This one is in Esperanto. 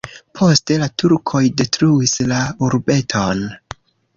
Poste la turkoj detruis la urbeton.